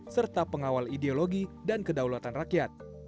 serta pengawal ideologi dan kedaulatan rakyat